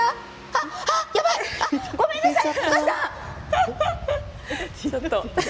やばい！ごめんなさい！